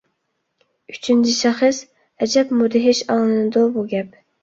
ئۈچىنچى شەخس؟ ئەجەب مۇدھىش ئاڭلىنىدۇ بۇ گەپ.